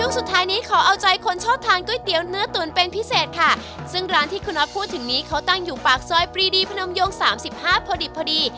สุดท้ายนี้ขอเอาใจคนชอบทานก๋วยเตี๋ยวเนื้อตุ๋นเป็นพิเศษค่ะซึ่งร้านที่คุณน็อตพูดถึงนี้เขาตั้งอยู่ปากซอยปรีดีพนมโยงสามสิบห้าพอดิบพอดี